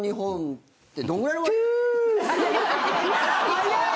早い！